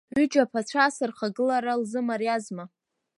Ҩыџьа аԥацәа ас рхагылара лзымариазма.